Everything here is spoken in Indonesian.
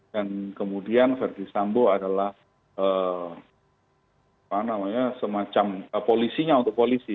dan kemudian verdi sambo adalah semacam polisinya untuk polisi